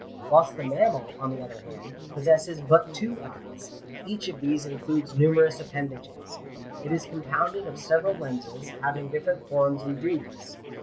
Whilst the mammal, on the other hand, possesses but two eyes ; each of these includes numerous appendages. It is compounded of several lenses, having different forms and duties.